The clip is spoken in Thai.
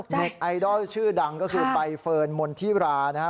ไอดอลชื่อดังก็คือใบเฟิร์นมณฑิรานะฮะ